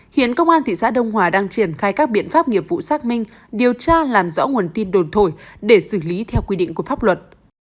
hiện công an thị xã đông hòa đang triển khai các biện pháp nghiệp vụ xác minh điều tra làm rõ nguồn tin đồn thổi để xử lý theo quy định của pháp luật